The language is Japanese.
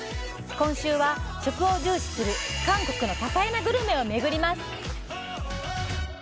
今週は食を重視する韓国の多彩なグルメを巡ります